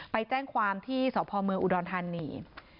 ไปแจ้งความที่สพเมืองอุดรธานี